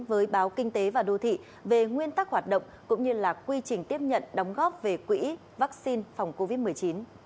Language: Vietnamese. với báo kinh tế và đô thị về nguyên tắc hoạt động cũng như là quy trình tiếp nhận đóng góp về quỹ vaccine phòng covid một mươi chín